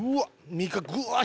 身がぐわー！